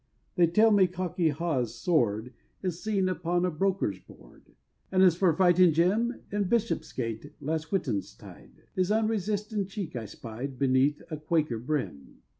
They tell me Cockey Hawes's sword Is seen upon a broker's board: And as for "Fighting Jim," In Bishopsgate, last Whitsuntide, His unresisting cheek I spied Beneath a Quaker brim!